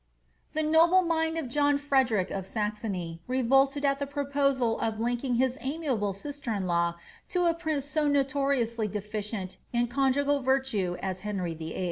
* The noble mind or John Frederick of Saxony revolted at the pro posal of linking his amiable sister in law to a prince so notoriously defi cient in conjugal virtue as Henry VIII.